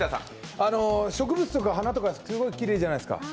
植物とか花とかすごいきれいじゃないですか。